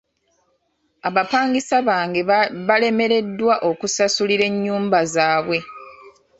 Abapangisa bange balemereddwa okusasulira ennyumba zaabwe.